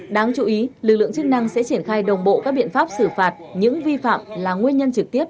đáng chú ý lực lượng chức năng sẽ triển khai đồng bộ các biện pháp xử phạt những vi phạm là nguyên nhân trực tiếp